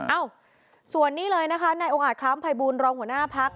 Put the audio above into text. เอ้อส่วนนี้เลยนะคะนายอุงไอธคาร์มไพบูลรองหัวหน้าพรรค